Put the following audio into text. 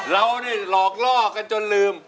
เรานี่หลอกล่อกันจนลืม